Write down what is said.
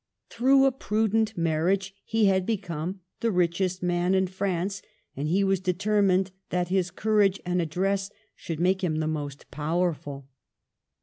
Through a prudent marriage he had be come the richest man in France, and he was determined that his courage and address should make him the most powerful.